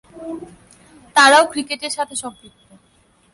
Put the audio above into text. তারাও ক্রিকেটের সাথে সম্পৃক্ত্।